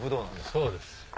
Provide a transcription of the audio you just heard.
そうです。